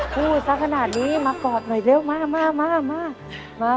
พูดสักขนาดนี้มากอดหน่อยเร็วมาก